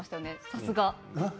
さすが。